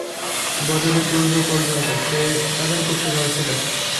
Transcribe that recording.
বদরের পূর্ব পর্যন্ত সে তাদের গুপ্তচর ছিল।